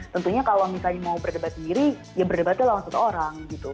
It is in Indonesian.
tentunya kalau misalnya mau berdebat sendiri ya berdebatnya lawan seseorang gitu